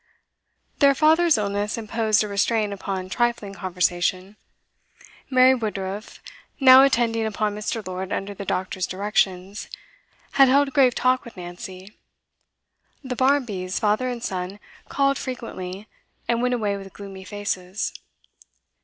Their father's illness imposed a restraint upon trifling conversation. Mary Woodruff, now attending upon Mr. Lord under the doctor's directions, had held grave talk with Nancy. The Barmbys, father and son, called frequently, and went away with gloomy faces.